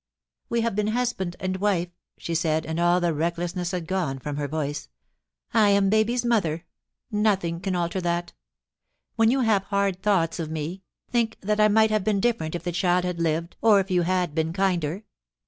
* We have been husband and wife,' she said, and all the recklessness had gone from her voice. *I am baby^s mother ; nothing can alter that WTien you have hard thoughts of me, think that I might have been different if the child had lived or if you had been kinder.